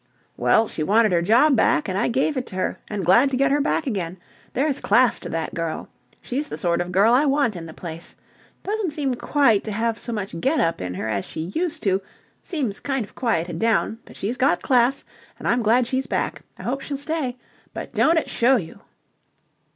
"Well, she wanted her job back and I gave it to her, and glad to get her back again. There's class to that girl. She's the sort of girl I want in the place. Don't seem quite to have so much get up in her as she used to... seems kind of quieted down... but she's got class, and I'm glad she's back. I hope she'll stay. But don't it show you?"